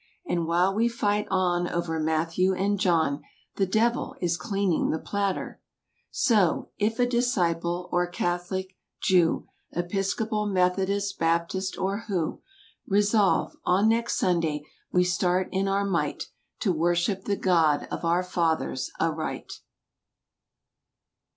And while we fight on over "Matthew" and "John'; The devil is cleaning the platter. So, if a Disciple or Catholic, Jew, Episcopal, Methodist, Baptist or who— Resolve—"On next Sunday we start in our might To worship the God of our fathers aright."